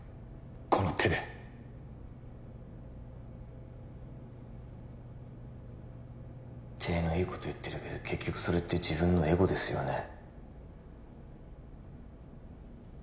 この手で体のいいこと言ってるけど結局それって自分のエゴですよね